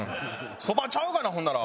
そばちゃうがなほんなら。